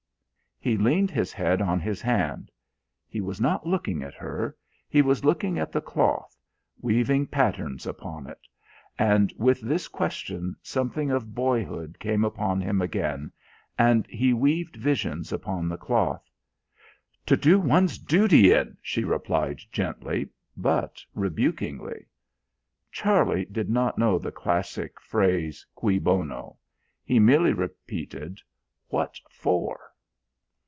He leaned his head on his hand. He was not looking at her. He was looking at the cloth, weaving patterns upon it. And with this question something of boyhood came upon him again, and he weaved visions upon the cloth. "To do one's duty in," she replied gently, but rebukingly. Charlie did not know the classic phrase, "Cui bono." He merely repeated: "What for?"